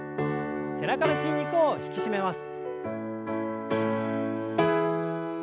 背中の筋肉を引き締めます。